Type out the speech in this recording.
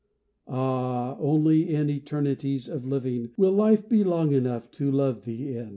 Ah! only in eternities of living Will life be long enough to love thee in.